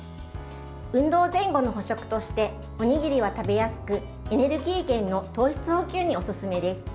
運動前後の補食としておにぎりは食べやすくエネルギー源の糖質補給におすすめです。